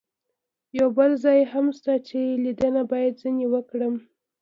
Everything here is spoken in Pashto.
یو بل ځای هم شته چې لیدنه باید ځنې وکړم.